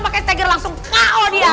pake stagger langsung ko dia